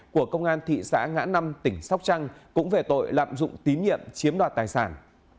của công an thị xã ngã năm tỉnh sóc trăng cũng về tội lạm dụng tín nhiệm chiếm đoạt tài sản